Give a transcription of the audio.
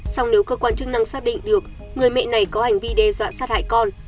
xong nếu cơ quan chức năng xác định được người mẹ này có hành vi đe dọa sát hại con